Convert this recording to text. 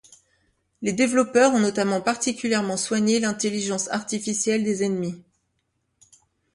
Les développeurs ont notamment particulièrement soigné l'intelligence artificielle des ennemis.